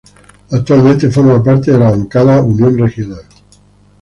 Actualmente forma parte de la bancada Unión Regional.